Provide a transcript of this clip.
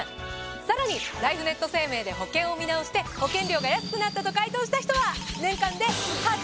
さらにライフネット生命で保険を見直して保険料が安くなったと回答した人は。